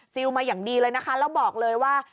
มาอย่างดีเลยนะคะแล้วบอกเลยว่า